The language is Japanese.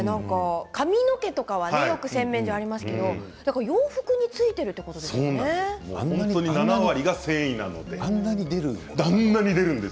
髪の毛とかはよく洗面所にありますけれど洋服に付いている７割が繊維なんです。